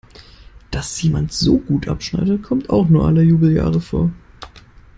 Dass jemand so gut abschneidet, kommt auch nur alle Jubeljahre vor.